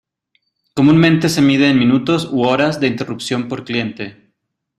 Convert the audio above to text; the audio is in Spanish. Comúnmente se mide en minutos u horas de interrupción por cliente.